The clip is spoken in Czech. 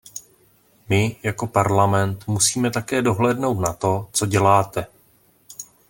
My jako Parlament musíme také dohlédnout na to, co děláte.